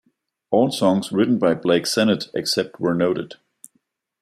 All songs written by Blake Sennett, except where noted.